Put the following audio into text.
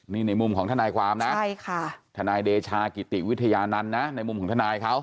นี่ในมุมของทนายความนะทนายเดชากิติวิทยานันต์นะในมุมของทนายเขา